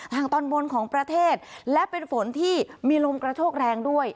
ทางตอนบนของประเทศและเป็นฝนที่มีลมกระโชกแรงด้วย